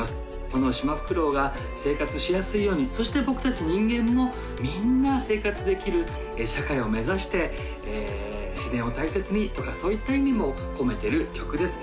このシマフクロウが生活しやすいようにそして僕達人間もみんな生活できる社会を目指して自然を大切にとかそういった意味も込めてる曲です